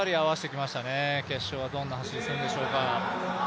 決勝はどんな走りをするんでしょうか。